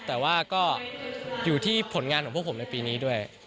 แต่ว่าก็อยู่ที่ผลงานของพวกผมในปีนี้ด้วย